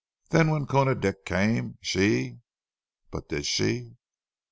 Then when Koona Dick came, she But did she?"